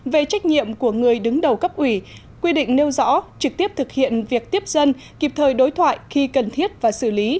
về trách nhiệm của người đứng đầu cấp ủy quy định nêu rõ trực tiếp thực hiện việc tiếp dân kịp thời đối thoại khi cần thiết và xử lý